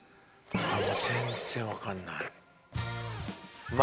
全然分かんない。